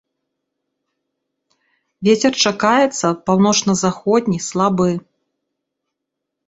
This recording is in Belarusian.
Вецер чакаецца паўночна-заходні слабы.